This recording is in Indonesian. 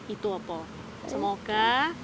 itu apa semoga